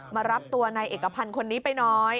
มารับตัวนายเอกพันธ์คนนี้ไปน้อย